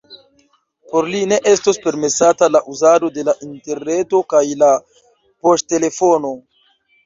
Por li ne estos permesata la uzado de la interreto kaj la poŝtelefono.